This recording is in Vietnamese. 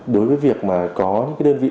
đối với việc mà có những cái đơn vị